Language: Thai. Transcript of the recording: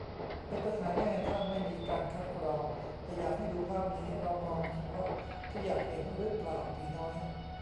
เป็นปัญหาแน่ถ้าไม่มีการคัดกรอง แต่อยากให้ดูภาพนี้ เรามองเฉพาะที่อยากเห็นรึเปล่า ผีน้อย